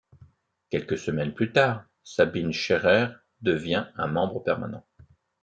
Quelques semaines plus tard, Sabine Scherer devient un membre permanent.